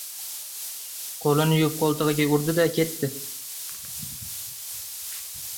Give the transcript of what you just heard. qoʻlini yuvib qoʻltigʻiga urdi-da, ketdi.